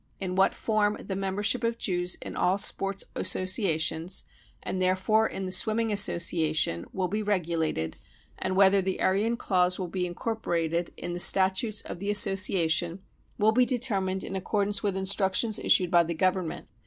In what form the member ship of Jews in all sports associations, and therefore in g the Swimming Association, will be regulated, and whether the Aryan clause will be incorporated in the 2J2 BROWN BOOK OF THE HITLER TERROR Statutes of the Association, will be determined in accordance with instructions issued by the Government.